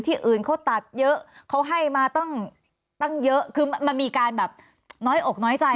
ที่อื่นเขาตัดเยอะเขาให้มาตั้งตั้งเยอะคือมันมีการแบบน้อยอกน้อยใจ